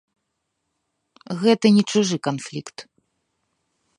Гэта не чужы канфлікт.